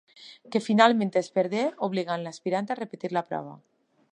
Que finalment es perdé, obligant l'aspirant a repetir la prova.